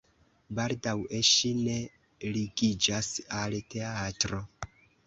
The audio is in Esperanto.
Baldaŭe ŝi ne ligiĝas al teatro.